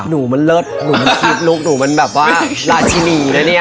หนูมันเลิศหนูมันคิดลุคหนูมันแบบว่าราชินีนะเนี่ย